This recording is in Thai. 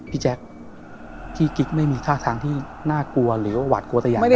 แจ๊คพี่กิ๊กไม่มีท่าทางที่น่ากลัวหรือว่าหวาดกลัวแต่อย่างใด